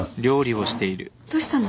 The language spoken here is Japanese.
どうしたの？